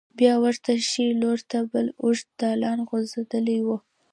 بیا ورته ښې لور ته بل اوږد دالان غوځېدلی و.